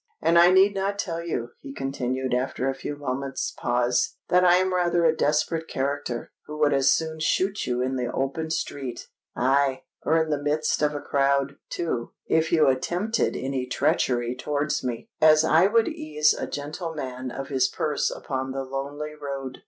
"And I need not tell you," he continued after a few moments' pause, "that I am rather a desperate character, who would as soon shoot you in the open street—aye, or in the midst of a crowd, too—if you attempted any treachery towards me, as I would ease a gentleman of his purse upon the lonely road.